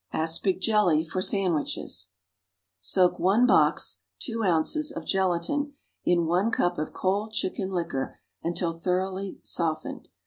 =Aspic Jelly for Sandwiches.= Soak one box (two ounces) of gelatine in one cup of cold chicken liquor until thoroughly softened.